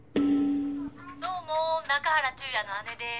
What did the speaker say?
「どうも中原忠也の姉です」